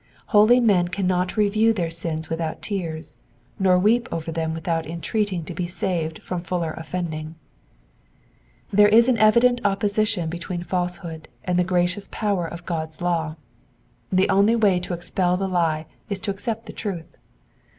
Holy men cannot review their sins without tears, nor weep over them without entreating to be saved from further offending. There is an evident opposition between falsehood and the gracious power of God's law. The only way to expel the lie is to accept the truth.